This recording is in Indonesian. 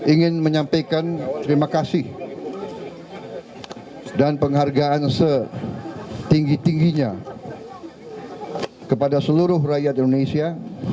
ingin menyampaikan terima kasih dan penghargaan setinggi tingginya kepada seluruh rakyat indonesia